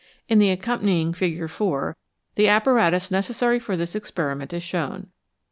In the accompanying Fig. 4 the apparatus necessary for this experiment is shown.